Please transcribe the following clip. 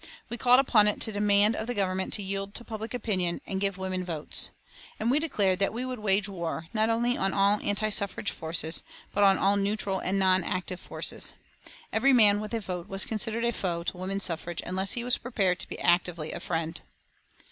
We called upon it to demand of the Government to yield to public opinion and give women votes. And we declared that we would wage war, not only on all anti suffrage forces, but on all neutral and non active forces. Every man with a vote was considered a foe to woman suffrage unless he was prepared to be actively a friend.